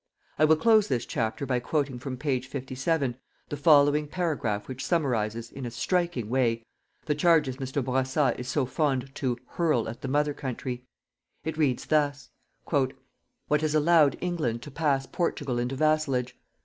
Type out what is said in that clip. I will close this chapter by quoting from page 57, the following paragraph which summarizes, in a striking way, the charges Mr. Bourassa is so fond to hurl at the mother country. It reads thus: "_What has allowed England to bring Portugal into vassalage?